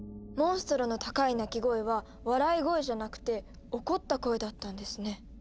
モンストロの高い鳴き声は笑い声じゃなくて怒った声だったんですね。